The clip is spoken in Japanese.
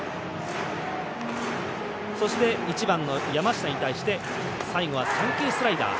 そして、１番の山下に対して最後は３球スライダー。